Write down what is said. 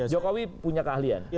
jokowi punya keahlian